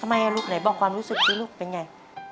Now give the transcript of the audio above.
ทำไมลูกไหนบอกความรู้สึกด้วยลูกเป็นไง